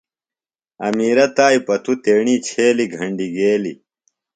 امیرہ تائیۡ پتو تیݨی چھیلیۡ گھنڈیۡ گیلیۡ۔